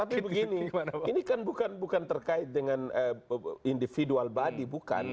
tapi begini ini kan bukan terkait dengan individual body bukan